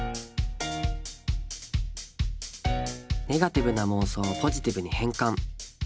ネガティブな妄想をポジティブに変換！